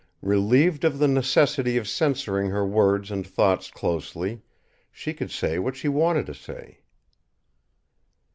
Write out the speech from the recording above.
Relieved of the necessity of censoring her words and thoughts closely, she could say what she wanted to say.